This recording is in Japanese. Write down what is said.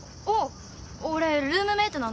俺ルームメートなんだ。